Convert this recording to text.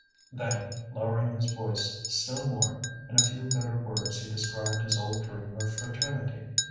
Then, lowering his voice still more, in a few bitter words he described his old dream of fraternity.